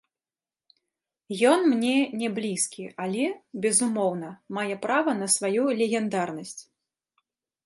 Ён мне не блізкі, але, безумоўна, мае права на сваю легендарнасць.